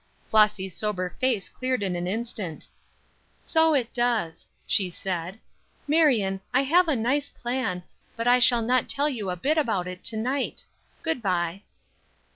Flossy's sober face cleared in an instant. "So it does," she said. "Marion, I have a nice plan, but I shall not tell you a bit about it to night. Good bye."